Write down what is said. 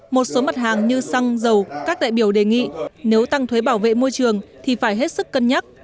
một số mặt hàng như xăng dầu các đại biểu đề nghị nếu tăng thuế bảo vệ môi trường thì phải hết sức cân nhắc